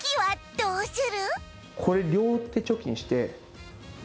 どうする？